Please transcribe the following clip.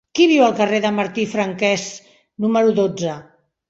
Qui viu al carrer de Martí i Franquès número dotze?